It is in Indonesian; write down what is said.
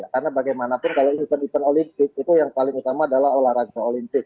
karena bagaimanapun kalau event event olimpik itu yang paling utama adalah olahraga olimpik